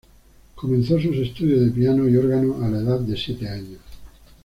Comenzó sus estudios de piano y órgano a la edad de siete años.